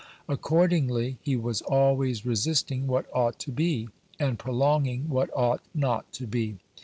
Accordingly, he was always resisting what ought to be, and prolonging what ought not to be.